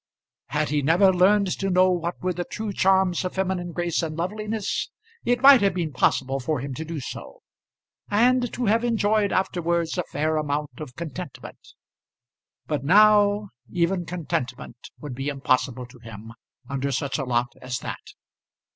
Had he never learned to know what were the true charms of feminine grace and loveliness, it might have been possible for him to do so, and to have enjoyed afterwards a fair amount of contentment. But now even contentment would be impossible to him under such a lot as that.